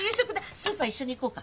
スーパー一緒に行こうか？